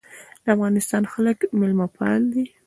د افغانستان خلک میلمه پال دي